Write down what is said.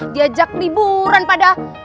diajak liburan pada